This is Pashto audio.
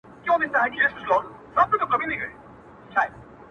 پر زود رنجۍ باندي مي داغ د دوزخونو وهم؛